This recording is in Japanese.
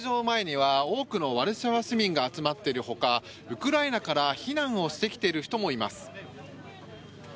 前には多くのワルシャワ市民が集まっているほかウクライナから避難をしてきている人もいます。